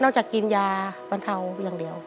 จะกินยาบรรเทาอย่างเดียว